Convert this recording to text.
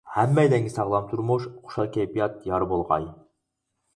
ھەممەيلەنگە ساغلام تۇرمۇش، خۇشال كەيپىيات يار بولغاي.